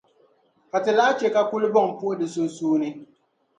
Ka Ti lahi chɛ ka kulibɔŋ puhi di sunsuuni.